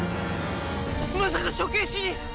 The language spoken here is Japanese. まさか処刑しに！？